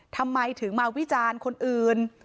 ทำไมถึงมาวิจารณ์คนอื่น